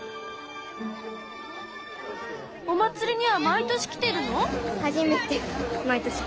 お祭りには毎年来てるの？